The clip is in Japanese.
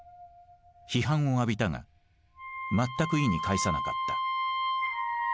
批判を浴びたが全く意に介さなかった。